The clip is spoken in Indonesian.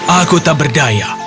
aku tak berdaya